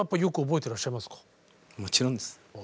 もちろんです。